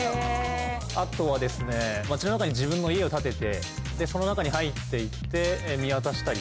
あとは街の中に自分の家を建ててその中に入って行って見渡したりとか。